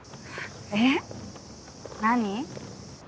えっ？何？